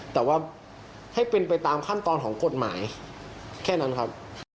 แต่ว่าให้เป็นไปตามขั้นตอนของกฎหมายแค่นั้นครับ